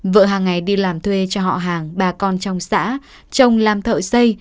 vợ hàng ngày đi làm thuê cho họ hàng ba con trong xã chồng làm thợ xây